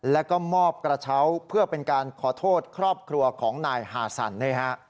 แล้วก็มอบกระเช้าเพื่อเป็นการขอโทษครอบครัวของนายฮาสัน